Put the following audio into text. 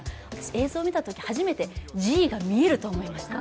映像を見たとき初めてＧが見えると思いました。